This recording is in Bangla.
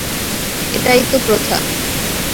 এটাই তো প্রথা?